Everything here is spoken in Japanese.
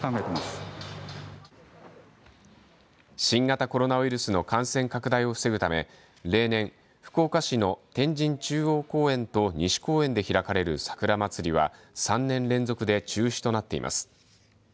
新型コロナウイルスの感染拡大を防ぐため例年、福岡市の天神中央公園と西公園で開かれる桜まつりは３年連続で中止となっています。